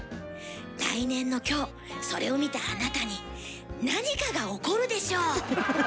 来年の今日それを見たあなたに何かが起こるでしょう！